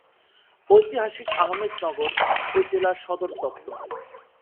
ঐতিহাসিক আহমেদনগর এ জেলার সদরদপ্তর।